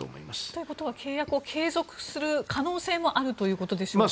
ということは契約を継続する可能性もあるということでしょうか？